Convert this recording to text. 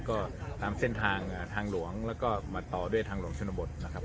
ก็ตามเส้นทางทางหลวงแล้วก็มาต่อด้วยทางหลวงชนบทนะครับ